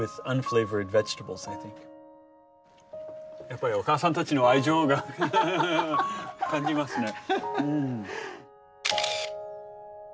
やっぱりおかあさんたちの愛情が感じますね。